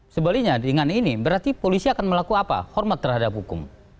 sebaliknya dengan ini berarti polisi akan melakukan apa hormat terhadap hukum